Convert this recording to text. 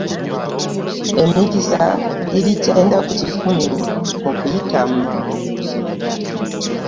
Emikisa giri kyenda ku kikumi okuyitamu.